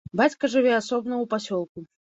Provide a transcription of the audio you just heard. Бацька жыве асобна ў пасёлку.